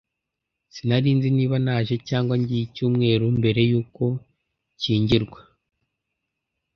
Sinari nzi niba naje cyangwa ngiye icyumweru mbere yuko nshyingirwa.